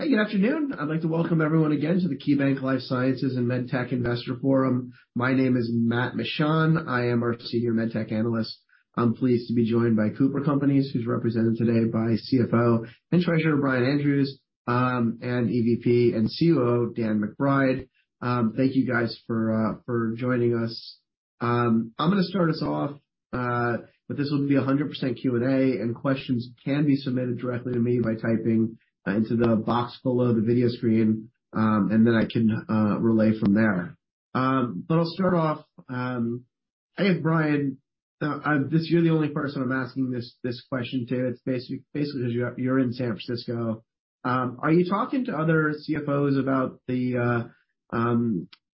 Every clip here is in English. Hey, good afternoon. I'd like to welcome everyone again to the KeyBanc Life Sciences and MedTech Investor Forum. My name is Matthew Mishan. I am our Senior MedTech Analyst. I'm pleased to be joined by Cooper Companies, who's represented today by CFO and Treasurer Brian Andrews, and EVP and COO Dan McBride. Thank you guys for joining us. I'm gonna start us off, but this will be 100% Q&A, and questions can be submitted directly to me by typing into the box below the video screen, and then I can relay from there. I'll start off, I think Brian, you're the only person I'm asking this question to. It's basically because you're in San Francisco. Are you talking to other CFOs about the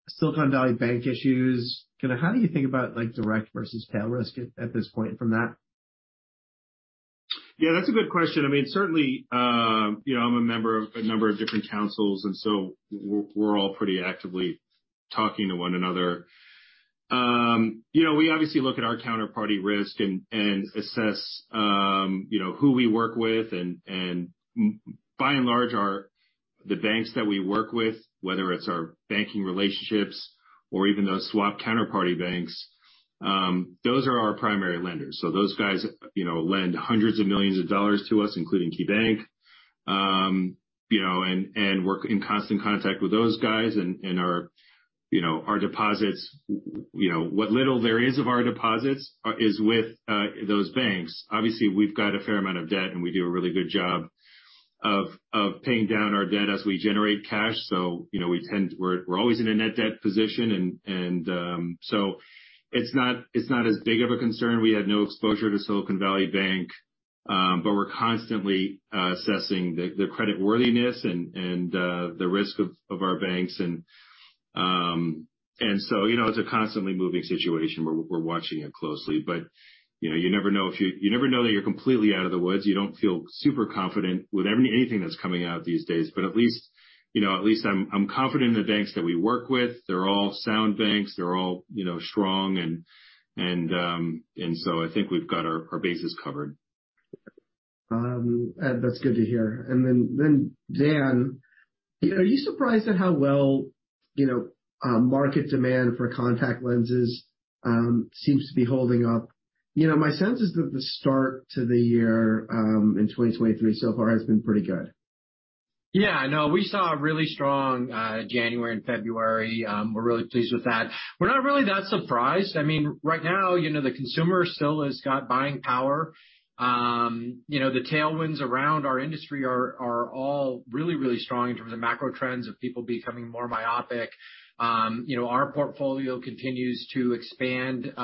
Silicon Valley Bank issues? Kinda how do you think about like direct versus tail risk at this point from that? Yeah, that's a good question. I mean, certainly, you know, I'm a member of a number of different councils, we're all pretty actively talking to one another. You know, we obviously look at our counterparty risk and assess, you know, who we work with and by and large are the banks that we work with, whether it's our banking relationships or even those swap counterparty banks, those are our primary lenders. Those guys, you know, lend hundreds of millions of dollars to us, including KeyBank. You know, and we're in constant contact with those guys and our, you know, our deposits, you know, what little there is of our deposits is with those banks. Obviously, we've got a fair amount of debt, and we do a really good job of paying down our debt as we generate cash. You know, we're always in a net debt position. It's not as big of a concern. We had no exposure to Silicon Valley Bank, but we're constantly assessing the creditworthiness and the risk of our banks. You know, it's a constantly moving situation. We're watching it closely. You know, you never know that you're completely out of the woods. You don't feel super confident with anything that's coming out these days. At least, you know, at least I'm confident the banks that we work with, they're all sound banks. They're all, you know, strong and so I think we've got our bases covered. That's good to hear. Then, Dan, are you surprised at how well, you know, market demand for contact lenses, seems to be holding up? You know, my sense is that the start to the year, in 2023 so far has been pretty good. Yeah. No, we saw a really strong January and February. We're really pleased with that. We're not really that surprised. I mean, right now, you know, the consumer still has got buying power. You know, the tailwinds around our industry are all really strong in terms of macro trends of people becoming more myopic. You know, our portfolio continues to expand.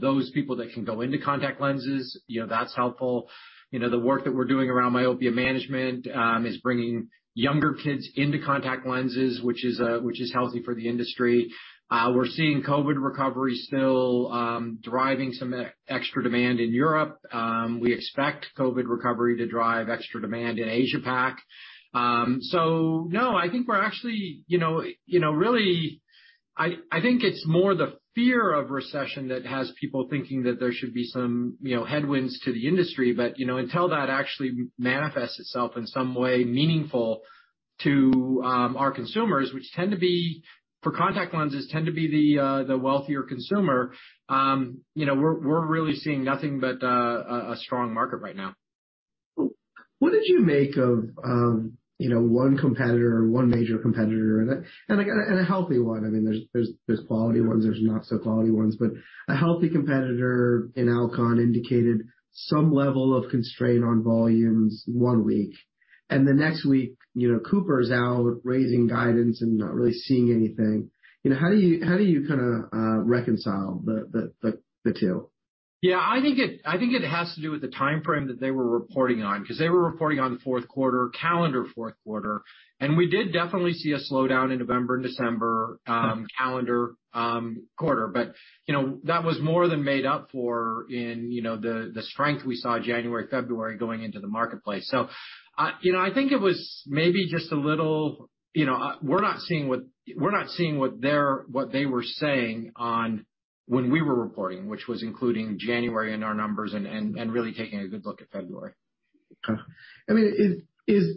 Those people that can go into contact lenses, you know, that's helpful. You know, the work that we're doing around myopia management is bringing younger kids into contact lenses, which is healthy for the industry. We're seeing COVID recovery still driving some e-extra demand in Europe. We expect COVID recovery to drive extra demand in Asia Pac. No, I think we're actually, you know, you know, really I think it's more the fear of recession that has people thinking that there should be some, you know, headwinds to the industry. You know, until that actually manifests itself in some way meaningful to our consumers, which for contact lenses, tend to be the wealthier consumer. You know, we're really seeing nothing but a strong market right now. What did you make of, you know, one major competitor and a, and a healthy one, I mean, there's quality ones, there's not so quality ones, but a healthy competitor in Alcon indicated some level of constraint on volumes one week. The next week, you know, Cooper's out raising guidance and not really seeing anything. You know, how do you, how do you kinda reconcile the two? Yeah, I think it, I think it has to do with the timeframe that they were reporting on, 'cause they were reporting on the fourth quarter, calendar fourth quarter, and we did definitely see a slowdown in November and December, calendar quarter. You know, that was more than made up for in, you know, the strength we saw January, February going into the marketplace. You know, I think it was maybe just a little. You know, we're not seeing what they were saying on when we were reporting, which was including January in our numbers and really taking a good look at February. I mean, is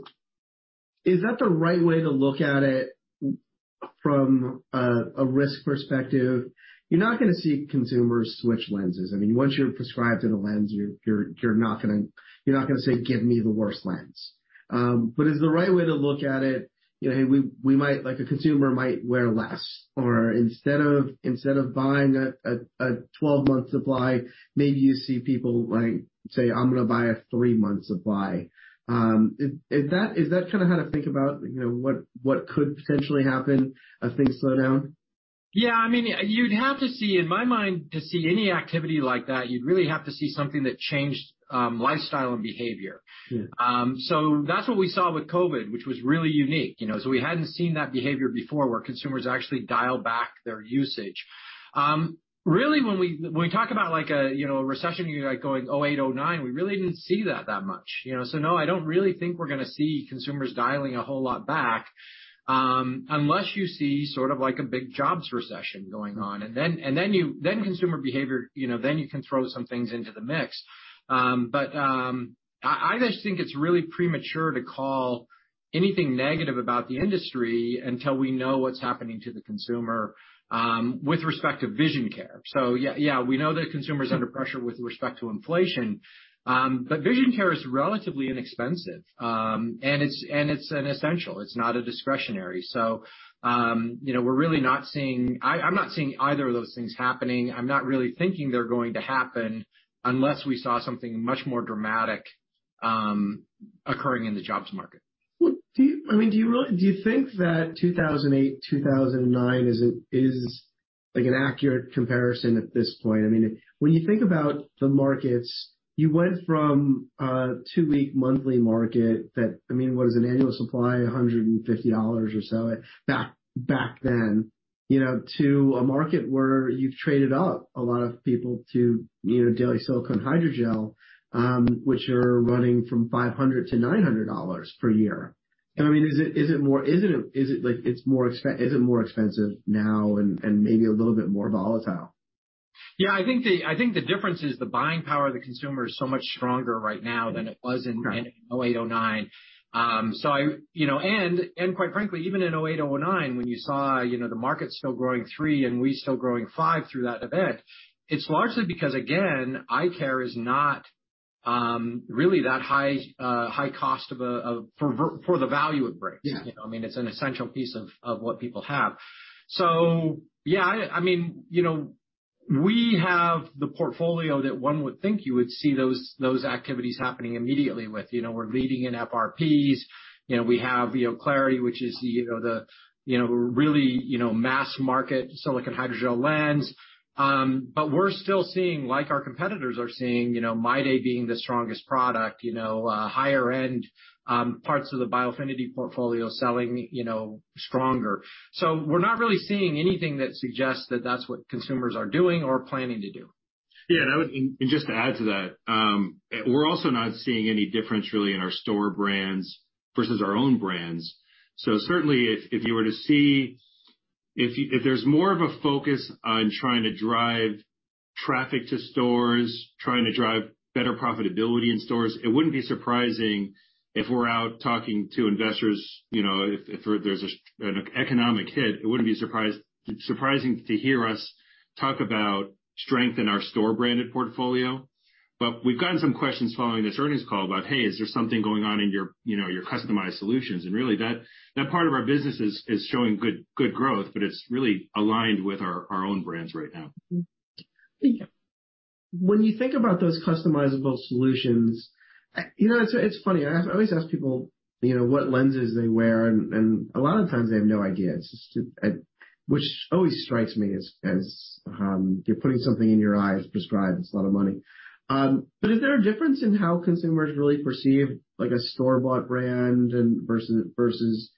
that the right way to look at it from a risk perspective? You're not gonna see consumers switch lenses. I mean, once you're prescribed to the lens, you're not gonna say, "Give me the worst lens." Is the right way to look at it, you know, hey, we might like a consumer might wear less or instead of buying a 12-month supply, maybe you see people like say, "I'm gonna buy a three-month supply." Is that kinda how to think about, you know, what could potentially happen as things slow down? Yeah. I mean, you'd have to see, in my mind, to see any activity like that, you'd really have to see something that changed, lifestyle and behavior. Sure. That's what we saw with COVID, which was really unique, you know, we hadn't seen that behavior before where consumers actually dial back their usage. Really when we talk about like a, you know, a recession like going 2008, 2009, we really didn't see that much. You know? No, I don't really think we're gonna see consumers dialing a whole lot back unless you see sort of like a big jobs recession going on. Then consumer behavior, you know, then you can throw some things into the mix. I just think it's really premature to call anything negative about the industry until we know what's happening to the consumer with respect to vision care. Yeah, we know that consumer is under pressure with respect to inflation. Vision care is relatively inexpensive. It's an essential, it's not a discretionary. You know, I'm not seeing either of those things happening. I'm not really thinking they're going to happen unless we saw something much more dramatic, occurring in the jobs market. Well, do you, I mean, do you think that 2008, 2009 is like an accurate comparison at this point? I mean, when you think about the markets, you went from a two-week monthly market that, I mean, what is it, an annual supply, $150 or so back then, you know, to a market where you've traded up a lot of people to, you know, daily silicone hydrogel, which are running from $500-$900 per year. I mean, is it like it's more expensive now and maybe a little bit more volatile? Yeah, I think the difference is the buying power of the consumer is so much stronger right now than it was in-. Right. In 2008, 2009. I, you know, and quite frankly, even in 2008, 2009, when you saw, you know, the market still growing 3% and we still growing 5% through that event, it's largely because, again, eye care is not, really that high, high cost of a for the value it brings. Yeah. You know what I mean? It's an essential piece of what people have. Yeah, I mean, you know, we have the portfolio that one would think you would see those activities happening immediately with. You know, we're leading in FRPs. You know, we have clariti, which is the really mass-market silicone hydrogel lens. We're still seeing like our competitors are seeing MyDay being the strongest product, higher-end parts of the Biofinity portfolio selling stronger. We're not really seeing anything that suggests that that's what consumers are doing or planning to do. Yeah, just to add to that, we're also not seeing any difference really in our store brands versus our own brands. Certainly if you were to see... If there's more of a focus on trying to drive traffic to stores, trying to drive better profitability in stores, it wouldn't be surprising if we're out talking to investors, you know, if there's an economic hit, it wouldn't be surprising to hear us talk about strength in our store-branded portfolio. We've gotten some questions following this earnings call about, "Hey, is there something going on in your, you know, your customized solutions?" Really that part of our business is showing good growth, but it's really aligned with our own brands right now. When you think about those customizable solutions, you know, it's funny. I always ask people, you know, what lenses they wear, and a lot of times they have no idea. It's just, which always strikes me as, you're putting something in your eyes prescribed. It's a lot of money. Is there a difference in how consumers really perceive like a store-bought brand and versus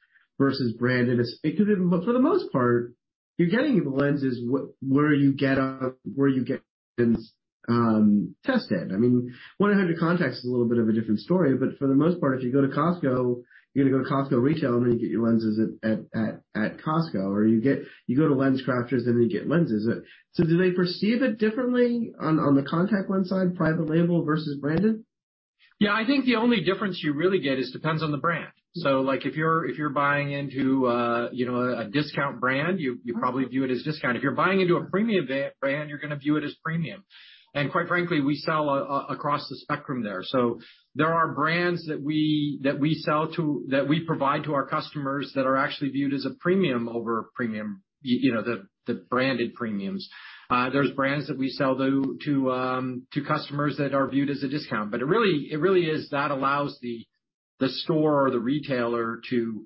branded? For the most part, you're getting the lenses where you get, where you get lens, tested. I mean, 1-800 Contacts is a little bit of a different story. For the most part, if you go to Costco, you're gonna go to Costco retail, and then you get your lenses at Costco, or you go to LensCrafters, and then you get lenses. Do they perceive it differently on the contact lens side, private label versus branded? I think the only difference you really get is depends on the brand. Like, if you're buying into you know, a discount brand, you probably view it as discount. If you're buying into a premium brand, you're gonna view it as premium. Quite frankly, we sell across the spectrum there. There are brands that we provide to our customers that are actually viewed as a premium over premium, you know, the branded premiums. There's brands that we sell though, to customers that are viewed as a discount. It really is that allows the store or the retailer to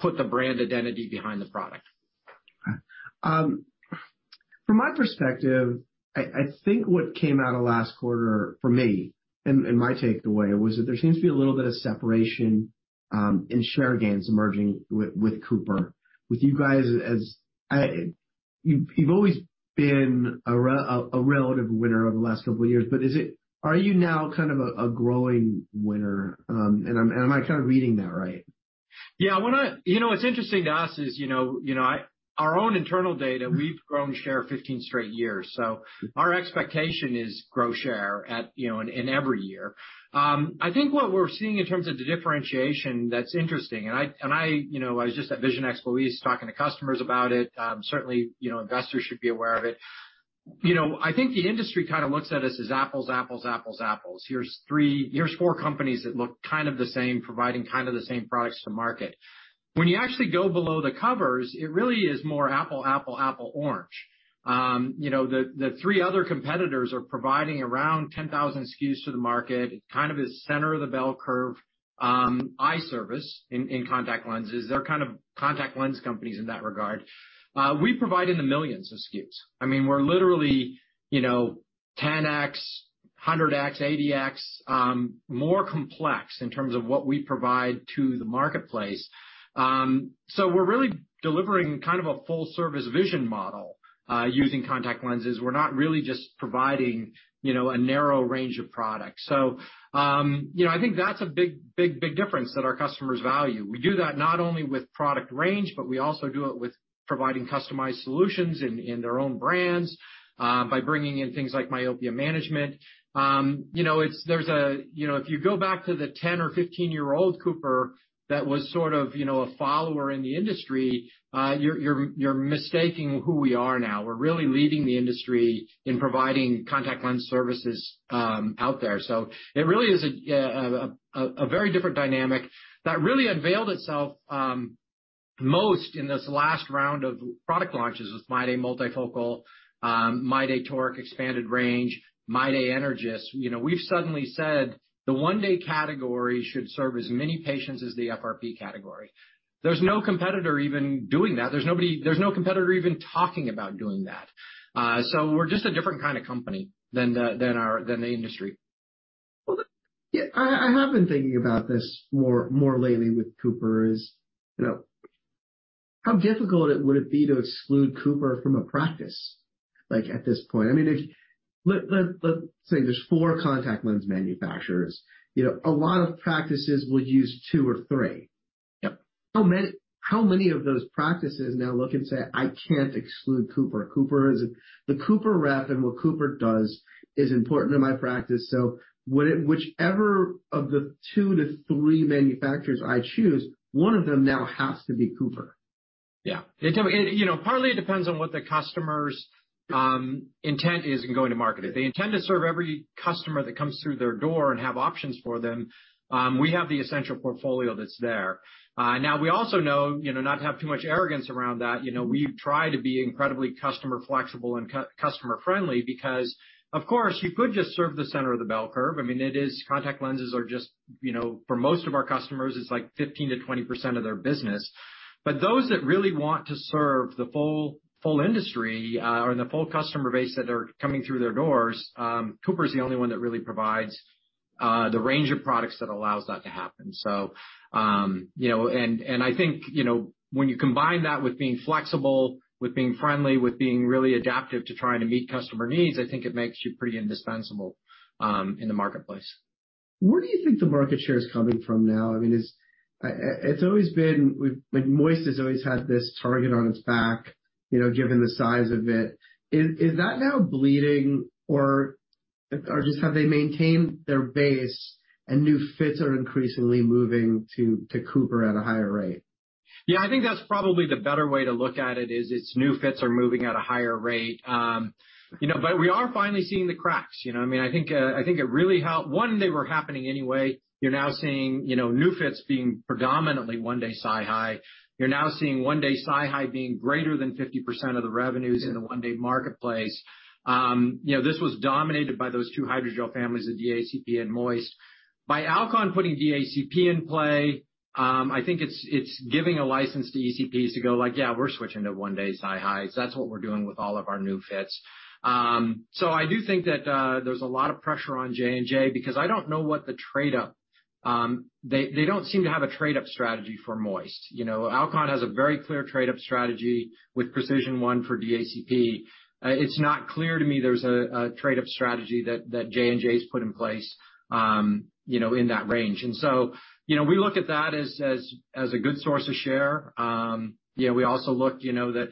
put the brand identity behind the product. All right. From my perspective, I think what came out of last quarter for me and my takeaway was that there seems to be a little bit of separation in share gains emerging with Cooper. You've always been a relative winner over the last couple of years, but are you now kind of a growing winner? Am I kind of reading that right? Yeah. You know, what's interesting to us is, you know, you know, our own internal data, we've grown share 15 straight years. Our expectation is grow share at, you know, in every year. I think what we're seeing in terms of the differentiation that's interesting, and I, you know, I was just at Vision Expo East talking to customers about it. Certainly, you know, investors should be aware of it. You know, I think the industry kind of looks at us as apples, apples. Here's four companies that look kind of the same, providing kind of the same products to market. When you actually go below the covers, it really is more apple, apple, orange. You know, the three other competitors are providing around 10,000 SKUs to the market. It kind of is center of the bell curve, eye service in contact lenses. They're kind of contact lens companies in that regard. We provide in the millions of SKUs. I mean, we're literally, you know, 10x, 100x, 80x, more complex in terms of what we provide to the marketplace. We're really delivering kind of a full-service vision model. Using contact lenses. We're not really just providing, you know, a narrow range of products. You know, I think that's a big, big, big difference that our customers value. We do that not only with product range, but we also do it with providing customized solutions in their own brands, by bringing in things like myopia management. If you go back to the 10 or 15-year-old Cooper that was sort of, you know, a follower in the industry, you're mistaking who we are now. We're really leading the industry in providing contact lens services out there. It really is a very different dynamic that really unveiled itself most in this last round of product launches with MyDay multifocal, MyDay toric expanded range, MyDay Energys. We've suddenly said the 1-day category should serve as many patients as the FRP category. There's no competitor even doing that. There's no competitor even talking about doing that. We're just a different kind of company than the industry. Well, yeah, I have been thinking about this more lately with Cooper is, you know, how difficult it would it be to exclude Cooper from a practice, like, at this point? I mean, let's say there's four contact lens manufacturers. You know, a lot of practices will use two or three. Yep. How many of those practices now look and say, "I can't exclude Cooper. Cooper is The Cooper rep and what Cooper does is important to my practice. Whichever of the two to three manufacturers I choose, one of them now has to be Cooper. It, you know, partly it depends on what the customer's intent is in going to market. If they intend to serve every customer that comes through their door and have options for them, we have the essential portfolio that's there. Now we also know, you know, not to have too much arrogance around that, you know, we try to be incredibly customer flexible and customer friendly because, of course, you could just serve the center of the bell curve. I mean, contact lenses are just, you know, for most of our customers, it's like 15%-20% of their business. Those that really want to serve the full industry, or the full customer base that are coming through their doors, Cooper is the only one that really provides the range of products that allows that to happen. you know, and I think, you know, when you combine that with being flexible, with being friendly, with being really adaptive to trying to meet customer needs, I think it makes you pretty indispensable, in the marketplace. Where do you think the market share is coming from now? I mean, it's always been like, MOIST has always had this target on its back, you know, given the size of it. Is that now bleeding or just have they maintained their base and new fits are increasingly moving to Cooper at a higher rate? Yeah, I think that's probably the better way to look at it, is its new fits are moving at a higher rate. You know, we are finally seeing the cracks. You know what I mean? I think it really One, they were happening anyway. You're now seeing, you know, new fits being predominantly 1-day SiHy. You're now seeing 1-day SiHy being greater than 50% of the revenues in the 1-day marketplace. You know, this was dominated by those two hydrogel families, the DACP and MOIST. By Alcon putting DACP in play, I think it's giving a license to ECPs to go like, "Yeah, we're switching to 1-day SiHys. That's what we're doing with all of our new fits. I do think that there's a lot of pressure on J&J because I don't know what the trade-up. They don't seem to have a trade-up strategy for MOIST. You know, Alcon has a very clear trade-up strategy with PRECISION1 for DACP. It's not clear to me there's a trade-up strategy that J&J's put in place, you know, in that range. You know, we look at that as a good source of share. You know, we also look, you know, that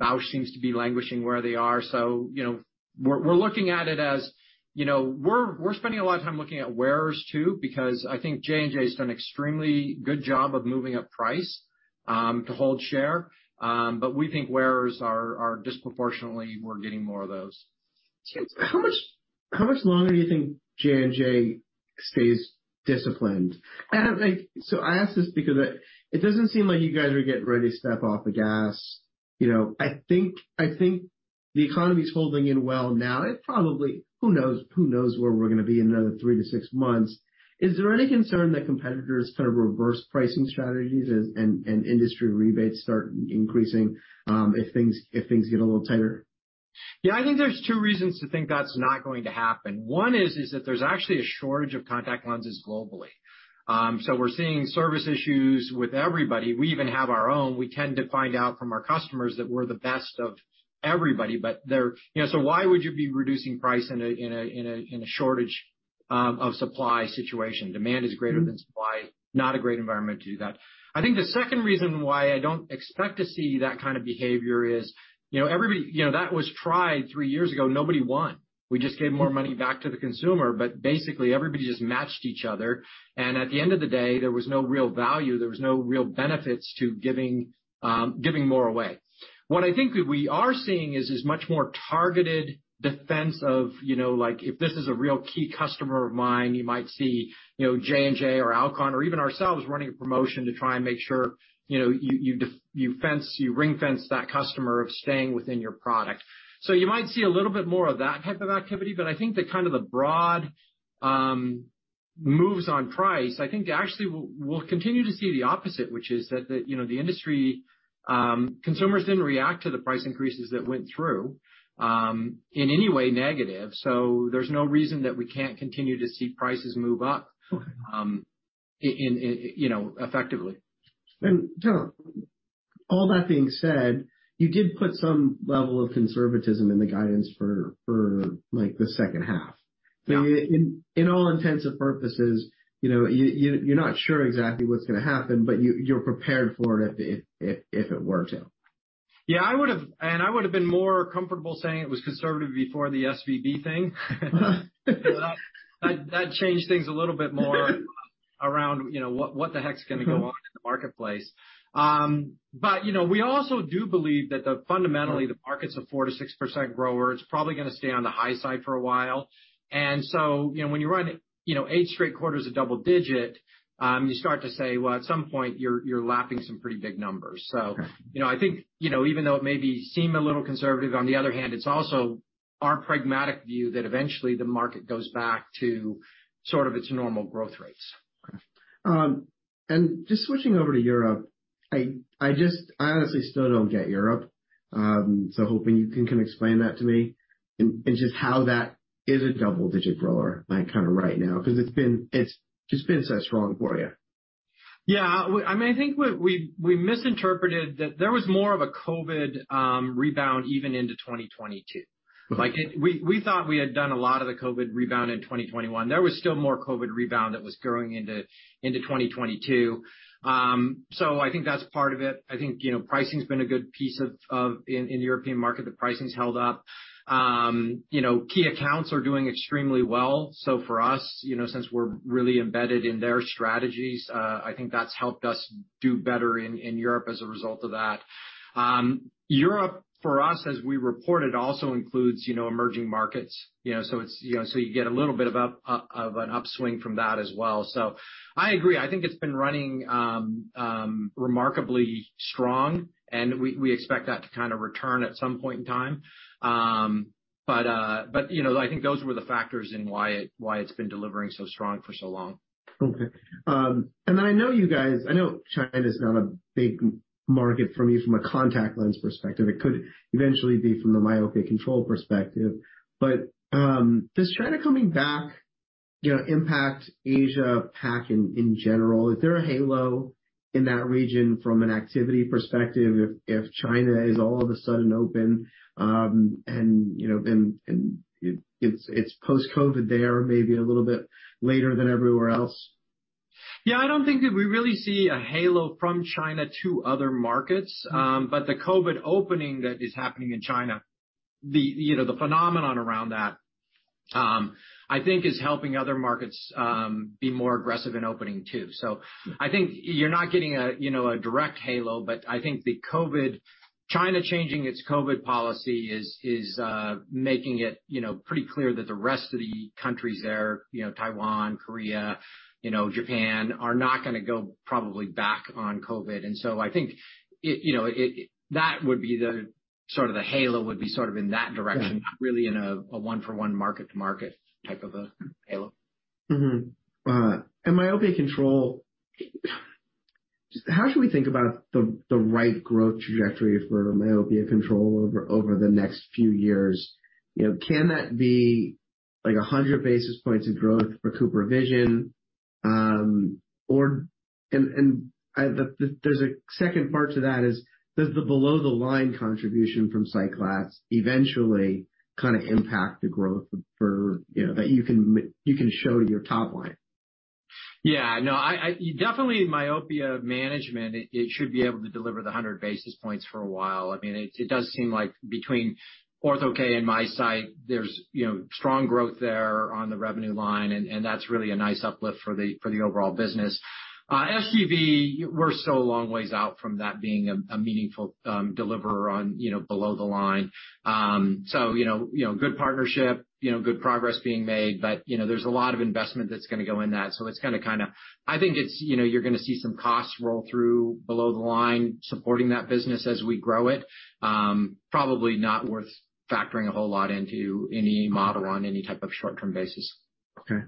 Bausch seems to be languishing where they are. You know, we're looking at it as, you know, we're spending a lot of time looking at wearers too, because I think J&J's done extremely good job of moving up price to hold share. We think wearers are disproportionately we're getting more of those. How much longer do you think J&J stays disciplined? I ask this because it doesn't seem like you guys are getting ready to step off the gas. You know, I think the economy's holding in well now. Who knows where we're gonna be in another three to six months. Is there any concern that competitors kind of reverse pricing strategies and industry rebates start increasing if things get a little tighter? Yeah, I think there's two reasons to think that's not going to happen. One is that there's actually a shortage of contact lenses globally. We're seeing service issues with everybody. We even have our own. We tend to find out from our customers that we're the best of everybody, but there... You know, why would you be reducing price in a shortage of supply situation? Demand is greater than supply, not a great environment to do that. I think the second reason why I don't expect to see that kind of behavior is, you know, everybody, you know, that was tried three years ago, nobody won. We just gave more money back to the consumer. Basically everybody just matched each other. At the end of the day, there was no real value, there was no real benefits to giving giving more away. I think we are seeing is this much more targeted defense of, you know, like if this is a real key customer of mine, you might see, you know, J&J or Alcon or even ourselves running a promotion to try and make sure, you know, you fence, you ring-fence that customer of staying within your product. You might see a little bit more of that type of activity, but I think the kind of the broad, moves on price, I think they actually we'll continue to see the opposite, which is that the, you know, the industry, consumers didn't react to the price increases that went through, in any way negative, so there's no reason that we can't continue to see prices move up. Okay. In, you know, effectively. All that being said, you did put some level of conservatism in the guidance for like the second half. Yeah. In all intents and purposes, you know, you're not sure exactly what's gonna happen, but you're prepared for it if it were to. Yeah, I would've been more comfortable saying it was conservative before the SVB thing. That changed things a little bit more around, you know, what the heck's gonna go on in the marketplace. you know, we also do believe that fundamentally, the market's a 4%-6% grower. It's probably gonna stay on the high side for a while. you know, when you run, you know, eight straight quarters of double-digit, you start to say, "Well, at some point you're lapping some pretty big numbers. Okay. You know, I think, you know, even though it may be seem a little conservative, on the other hand, it's also our pragmatic view that eventually the market goes back to sort of its normal growth rates. Okay. Just switching over to Europe, I honestly still don't get Europe. Hoping you can explain that to me and just how that is a double-digit grower, kinda right now, 'cause it's just been so strong for you. Yeah. I mean, I think what we misinterpreted that there was more of a COVID rebound even into 2022. Mm-hmm. Like it. We thought we had done a lot of the COVID rebound in 2021. There was still more COVID rebound that was growing into 2022. I think that's part of it. I think, you know, pricing's been a good piece of in the European market, the pricing's held up. You know, key accounts are doing extremely well. For us, you know, since we're really embedded in their strategies, I think that's helped us do better in Europe as a result of that. Europe, for us, as we reported, also includes, you know, emerging markets. You know, so it's, you know, so you get a little bit of an upswing from that as well. I agree. I think it's been running, remarkably strong. We expect that to kind of return at some point in time. You know, I think those were the factors in why it's been delivering so strong for so long. Okay. I know China's not a big market for you from a contact lens perspective. It could eventually be from the myopia control perspective. Does China coming back, you know, impact Asia Pac in general? Is there a halo in that region from an activity perspective if China is all of a sudden open, and, you know, it's post-COVID there, maybe a little bit later than everywhere else? I don't think that we really see a halo from China to other markets. But the COVID opening that is happening in China, the, you know, the phenomenon around that, I think is helping other markets be more aggressive in opening too. I think you're not getting a, you know, a direct halo, but I think China changing its COVID policy is making it, you know, pretty clear that the rest of the countries there, you know, Taiwan, Korea, you know, Japan, are not gonna go probably back on COVID. I think it, you know, that would be the sort of the halo would be sort of in that direction. Yeah. Not really in a one-for-one market-to-market type of a halo. Myopia control, how should we think about the right growth trajectory for myopia control over the next few years? You know, can that be like 100 basis points of growth for CooperVision? Or there's a second part to that is does the below the line contribution from SightGlass Vision eventually kinda impact the growth for, you know, that you can show to your top line? Yeah. No. Definitely myopia management, it should be able to deliver the 100 basis points for a while. I mean, it does seem like between ortho-k and MiSight, there's, you know, strong growth there on the revenue line and that's really a nice uplift for the overall business. SGV, we're so a long ways out from that being a meaningful deliverer on, you know, below the line. You know, good partnership, you know, good progress being made, you know, there's a lot of investment that's gonna go in that. It's gonna. I think it's, you know, you're gonna see some costs roll through below the line supporting that business as we grow it. Probably not worth factoring a whole lot into any model on any type of short-term basis. Okay.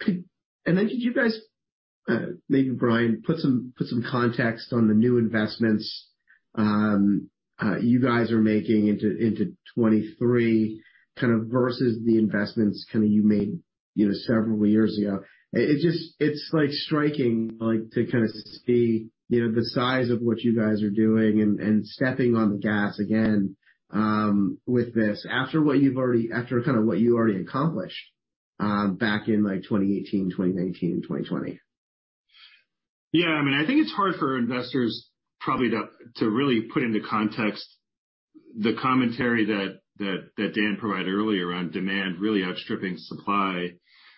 Could you guys, maybe Brian, put some context on the new investments, you guys are making into 2023, kind of versus the investments kinda you made, you know, several years ago. It just. It's, like, striking, like, to kinda see, you know, the size of what you guys are doing and stepping on the gas again, with this after kinda what you already accomplished, back in, like, 2018, 2019 and 2020. Yeah. I mean, I think it's hard for investors probably to really put into context the commentary that Dan provided earlier on demand really outstripping supply.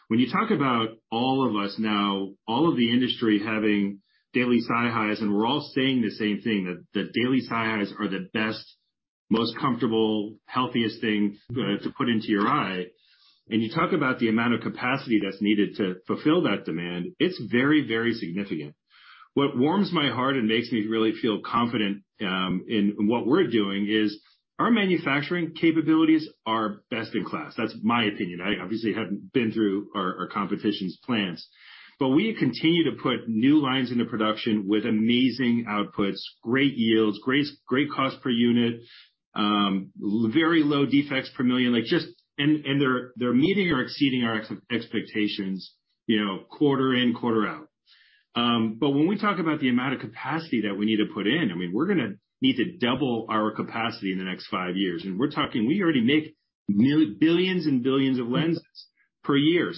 When you talk about all of us now, all of the industry having daily SiHys, and we're all saying the same thing, that the daily SiHys are the best, most comfortable, healthiest thing to put into your eye, and you talk about the amount of capacity that's needed to fulfill that demand, it's very, very significant. What warms my heart and makes me really feel confident in what we're doing is our manufacturing capabilities are best in class. That's my opinion. I obviously haven't been through our competition's plans. We continue to put new lines into production with amazing outputs, great yields, great cost per unit, very low defects per million, like just. They're meeting or exceeding our expectations, you know, quarter in, quarter out. When we talk about the amount of capacity that we need to put in, I mean, we're gonna need to double our capacity in the next five years. We're talking, we already make nearly billions and billions of lenses per year.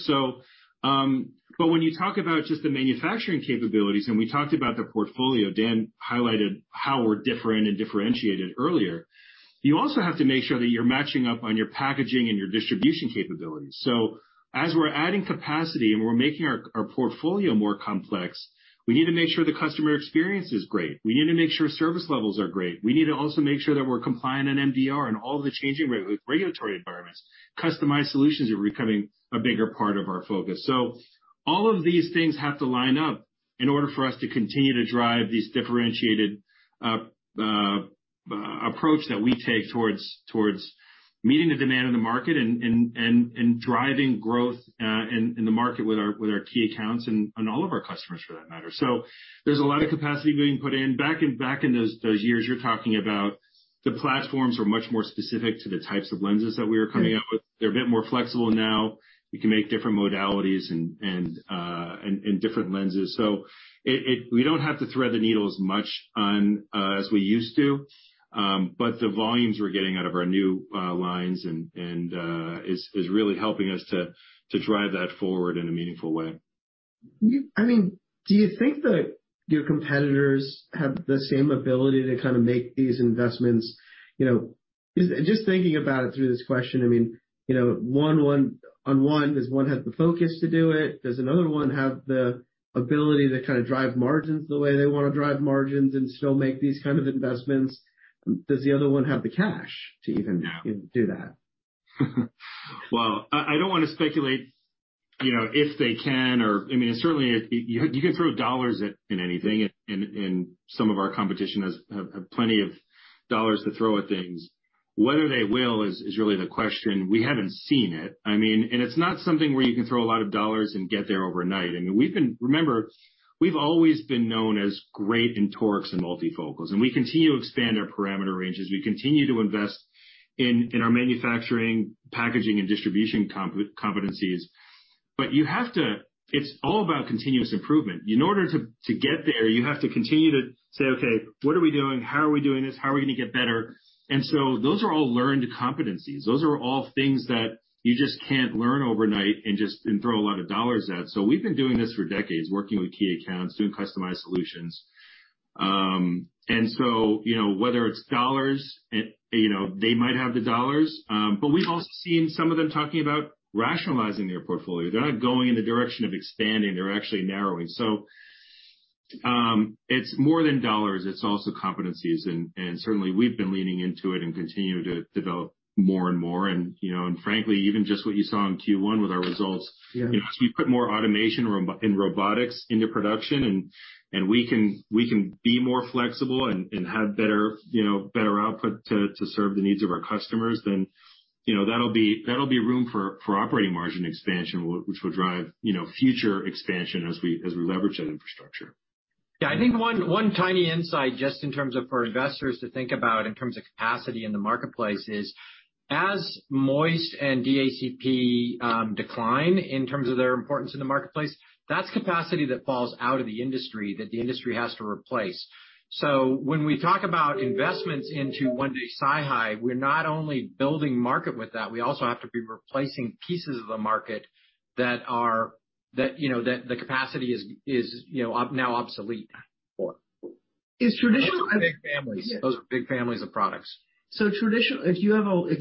When you talk about just the manufacturing capabilities, and we talked about the portfolio, Dan highlighted how we're different and differentiated earlier. You also have to make sure that you're matching up on your packaging and your distribution capabilities. As we're adding capacity and we're making our portfolio more complex, we need to make sure the customer experience is great. We need to make sure service levels are great. We need to also make sure that we're compliant in MDR and all the changing regulatory environments. Customized solutions are becoming a bigger part of our focus. All of these things have to line up in order for us to continue to drive these differentiated approach that we take towards meeting the demand in the market and driving growth in the market with our key accounts and all of our customers for that matter. There's a lot of capacity being put in. Back in those years you're talking about, the platforms were much more specific to the types of lenses that we were coming out with. They're a bit more flexible now. We can make different modalities and different lenses. We don't have to thread the needle as much on as we used to. The volumes we're getting out of our new lines and is really helping us to drive that forward in a meaningful way. I mean, do you think that your competitors have the same ability to kind of make these investments? You know, just thinking about it through this question, I mean, you know, one, on one, does one have the focus to do it? Does another one have the ability to kind of drive margins the way they wanna drive margins and still make these kind of investments? Does the other one have the cash to even do that? Well, I don't wanna speculate, you know, if they can or. I mean, certainly you can throw dollars at anything. Some of our competition has plenty of dollars to throw at things. Whether they will is really the question. We haven't seen it. I mean, it's not something where you can throw a lot of dollars and get there overnight. I mean, remember, we've always been known as great in torics and multifocals, and we continue to expand our parameter ranges. We continue to invest in our manufacturing, packaging, and distribution competencies. It's all about continuous improvement. In order to get there, you have to continue to say, "Okay, what are we doing? How are we doing this? How are we gonna get better?" Those are all learned competencies. Those are all things that you just can't learn overnight and just, and throw a lot of dollars at. We've been doing this for decades, working with key accounts, doing customized solutions. You know, whether it's dollars, you know, they might have the dollars, but we've also seen some of them talking about rationalizing their portfolio. They're not going in the direction of expanding. They're actually narrowing. It's more than dollars. It's also competencies. Certainly we've been leaning into it and continue to develop more and more. You know, and frankly, even just what you saw in Q1 with our results. Yeah. If we put more automation and robotics into production and we can be more flexible and have better, you know, better output to serve the needs of our customers, you know, that'll be room for operating margin expansion, which will drive, you know, future expansion as we leverage that infrastructure. Yeah. I think one tiny insight, just in terms of for investors to think about in terms of capacity in the marketplace is as MOIST and DACP, decline in terms of their importance in the marketplace, that's capacity that falls out of the industry, that the industry has to replace. When we talk about investments into 1-day SiHy, we're not only building market with that, we also have to be replacing pieces of the market that are. That, you know, the capacity is, you know, now obsolete. Is traditional- Those are big families. Those are big families of products. If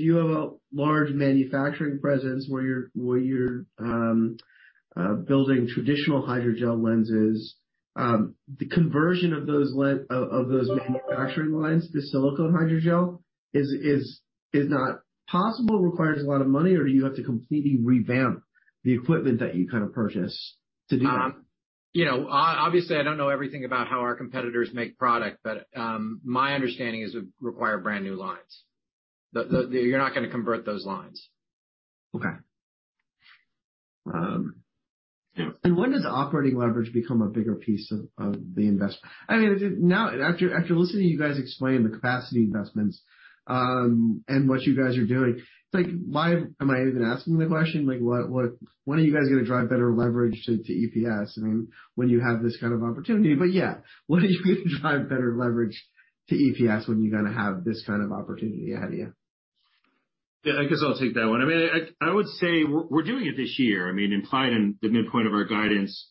you have a large manufacturing presence where you're building traditional hydrogel lenses, the conversion of those manufacturing lines to silicone hydrogel is not possible, requires a lot of money, or do you have to completely revamp the equipment that you kind of purchase to do that? You know, obviously I don't know everything about how our competitors make product, but my understanding is it would require brand new lines. You're not gonna convert those lines. Okay. Yeah. When does operating leverage become a bigger piece of the investment? I mean, now, after listening to you guys explain the capacity investments, and what you guys are doing, it's like, why am I even asking the question? Like, what, when are you guys gonna drive better leverage to EPS? I mean, when you have this kind of opportunity. Yeah, when are you gonna drive better leverage to EPS when you're gonna have this kind of opportunity ahead of you? I guess I'll take that one. I mean, I would say we're doing it this year. Implied in the midpoint of our guidance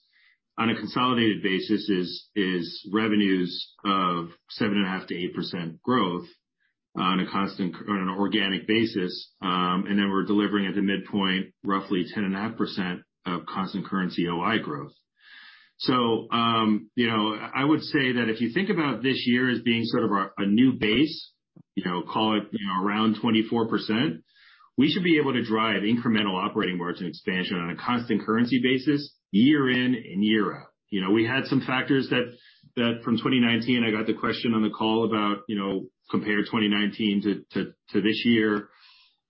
on a consolidated basis is revenues of 7.5%-8% growth on a constant currency on an organic basis. We're delivering at the midpoint roughly 10.5% of constant currency OI growth. I would say that if you think about this year as being sort of our, a new base. You know, call it, around 24%. We should be able to drive incremental operating margin expansion on a constant currency basis year in and year out. We had some factors that from 2019, I got the question on the call about, you know, compare 2019 to this year.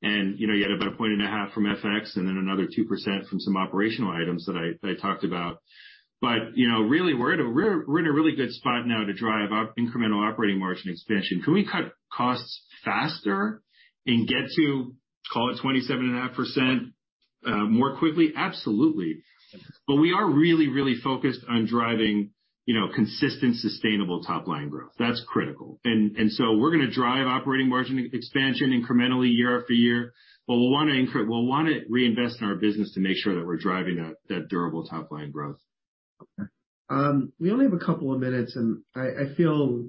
you know, you had about 1.5% from FX and then another 2% from some operational items that I talked about. you know, really, we're in a really good spot now to drive up incremental operating margin expansion. Can we cut costs faster and get to, call it, 27.5%, more quickly? Absolutely. We are really focused on driving, you know, consistent, sustainable top-line growth. That's critical. We're gonna drive operating margin expansion incrementally year after year. We'll wanna reinvest in our business to make sure that we're driving that durable top-line growth. Okay. We only have a couple of minutes, and I feel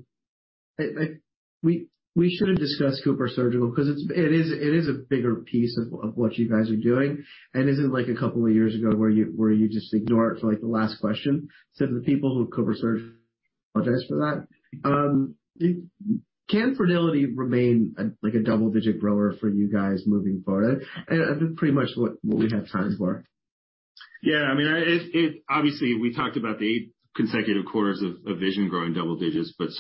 like we should have discussed CooperSurgical 'cause it's, it is a bigger piece of what you guys are doing. Is it like a couple of years ago where you just ignore it for like the last question, so the people who CooperSurgical apologize for that. Can fertility remain a, like a double-digit grower for you guys moving forward? That's pretty much what we have time for. Yeah. I mean, obviously, we talked about the eight consecutive quarters of vision growing double digits, but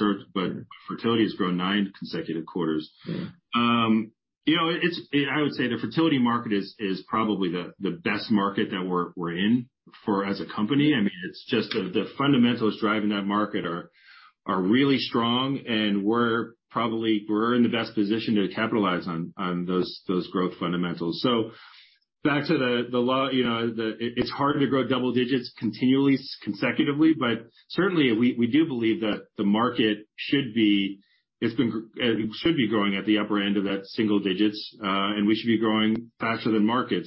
fertility has grown nine consecutive quarters. Yeah. you know, it's I would say the fertility market is probably the best market that we're in for as a company. I mean, it's just the fundamentals driving that market are really strong, and we're in the best position to capitalize on those growth fundamentals. back to the, you know, it's hard to grow double digits continually, consecutively, but certainly we do believe that the market should be growing at the upper end of that single digits, and we should be growing faster than market.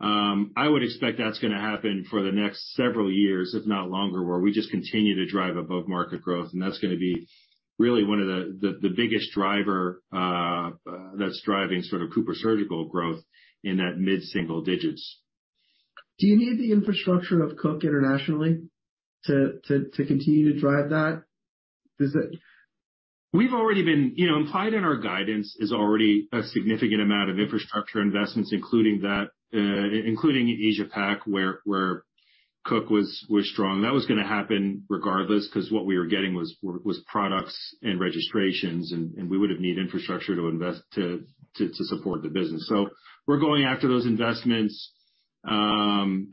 I would expect that's gonna happen for the next several years, if not longer, where we just continue to drive above-market growth, and that's gonna be really one of the biggest driver, that's driving sort of CooperSurgical growth in that mid-single digits. Do you need the infrastructure of Cook Medical internationally to continue to drive that? You know, implied in our guidance is already a significant amount of infrastructure investments, including that, including Asia Pac, where Cook Medical was strong. That was gonna happen regardless, 'cause what we were getting was products and registrations, and we would have needed infrastructure to invest to support the business. We're going after those investments.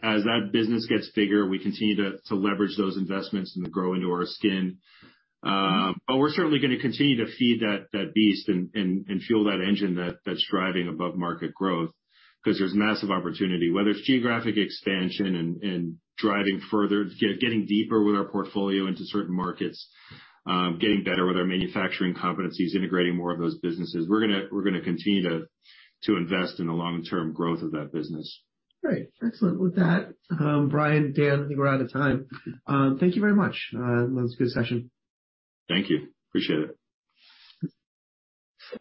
As that business gets bigger, we continue to leverage those investments and to grow into our skin. We're certainly gonna continue to feed that beast and fuel that engine that's driving above-market growth, 'cause there's massive opportunity, whether it's geographic expansion and driving further, getting deeper with our portfolio into certain markets, getting better with our manufacturing competencies, integrating more of those businesses. We're gonna continue to invest in the long-term growth of that business. Great. Excellent. With that, Brian, Dan, I think we're out of time. Thank you very much. That was a good session. Thank you. Appreciate it.